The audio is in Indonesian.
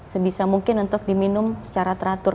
sebisa mungkin untuk diminum secara teratur